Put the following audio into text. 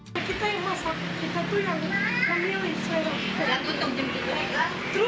seluruhnya bisa dimasak dengan cara dibakar atau direbus